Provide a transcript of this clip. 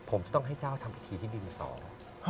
ผมจะต้องให้เจ้าทำพิธีที่ดินสอง